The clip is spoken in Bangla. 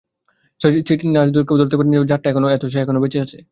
সেইটির নাশ কেউ করতে পারেনি বলেই জাতটা এত সয়ে এখনও বেঁচে আছে।